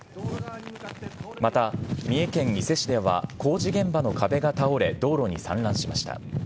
また、三重県伊勢市では、工事現場の壁が倒れ、道路に散乱しました。